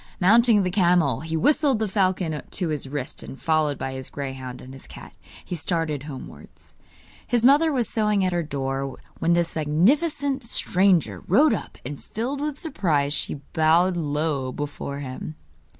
Mounting the camel, he whistled the falcon to his wrist, and, followed by his greyhound and his cat, he started homewards. His mother was sewing at her door when this magnificent stranger rode up, and, filled with surprise, she bowed low before him.